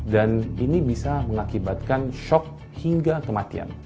dan ini bisa mengakibatkan shock hingga kematian